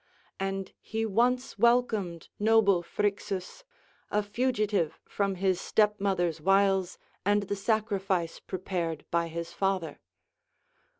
And he once welcomed noble Phrixus, a fugitive from his stepmother's wiles and the sacrifice prepared by his father.